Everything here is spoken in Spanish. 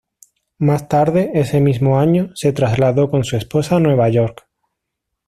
Más tarde, ese mismo año, se trasladó con su esposa a Nueva York.